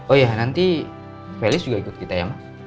oh ya nanti felis juga ikut kita ya mak